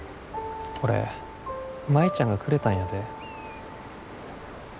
これ舞ちゃんがくれたんやで。